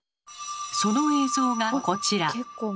その映像がこちら。